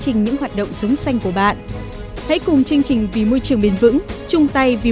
trình những hoạt động sống xanh của bạn hãy cùng chương trình vì môi trường bền vững chung tay vì